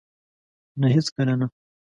نه! هیڅکله نه